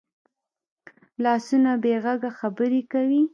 لاسونه بې غږه خبرې کوي